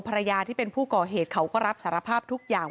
ภรรยาที่เป็นผู้ก่อเหตุเขาก็รับสารภาพทุกอย่าง